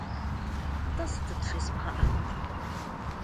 Нтӏэ сытыт жезыбгъэӏэнур?